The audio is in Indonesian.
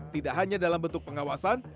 tidak hanya dalam bentuk pengawasan